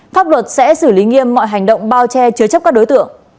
pháp luật sẽ xử lý nghiêm mọi hành động bao che chứa chấp các đối tượng